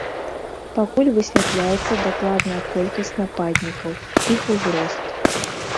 Пакуль высвятляецца дакладная колькасць нападнікаў, іх узрост.